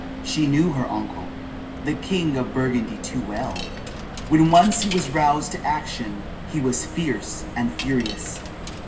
She knew her uncle, the king of Burgundy, too well. When once he was roused to action, he was fierce and furious.